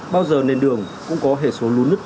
bao giờ nền đường cũng có hệ số lú nứt